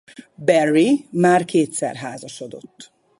Barry már kétszer házasodott.